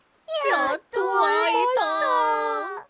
やっとあえました！